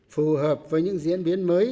phù hợp với những diễn biến mới